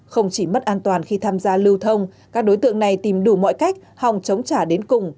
không chỉ mất an toàn khi tham gia lưu thông các đối tượng này tìm đủ mọi cách hòng chống trả đến cùng